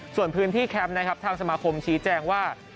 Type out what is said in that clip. ส่วนพื้นที่แคมป์ทางสมาคมชี้แจ้งว่า